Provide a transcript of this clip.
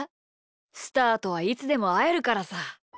スターとはいつでもあえるからさ。